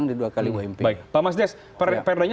jadi itu juga harus diatur oleh manajemen wadahnya